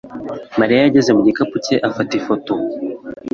Mariya yageze mu gikapu cye afata ifoto.